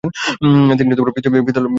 তিনি পিস্তলটা হাতে তুলে নেন।